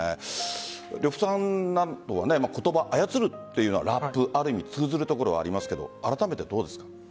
呂布さんは言葉操るというのはラップある意味通ずるところありますがあらためてどうですか？